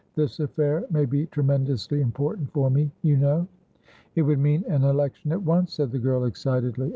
"This affair may be tremendously important for me, you know." "It would mean an election at once," said the girl, excitedly.